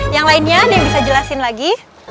yang lainnya ada yang bisa jelasin lagi